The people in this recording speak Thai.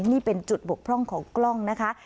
นี่เป็นจุดบกพร่องของกล้องนะคะ